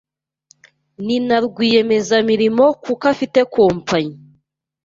Ni na Rwiyemezamirimo kuko afite kompanyi